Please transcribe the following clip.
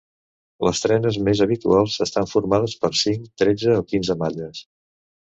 Les trenes més habituals estan formades per cinc, tretze o quinze malles.